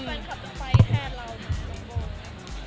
ก็แฟนคลับจะไฟล์ทแทนเรา